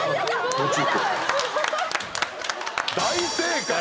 大正解。